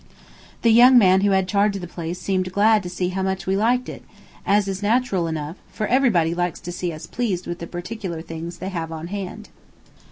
The young man who had charge of the place seemed glad to see how much we liked it, as is natural enough, for everybody likes to see us pleased with the particular things they have on hand.